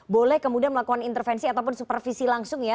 boleh kemudian melakukan intervensi ataupun supervisi langsung ya